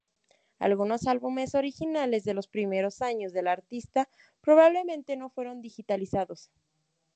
Algunos álbumes originales de los primeros años de la artista, probablemente no fueron digitalizados.